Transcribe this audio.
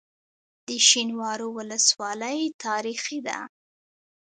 د شینوارو ولسوالۍ تاریخي ده